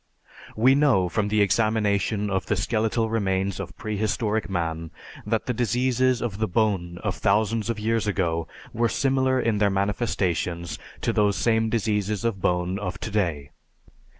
We know from the examination of the skeletal remains of prehistoric man that the diseases of the bone of thousands of years ago were similar in their manifestations to those same diseases of bone of today.